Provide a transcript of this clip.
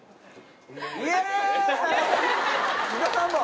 皆さんも！